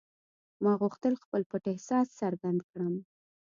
ما غوښتل خپل پټ احساس څرګند کړم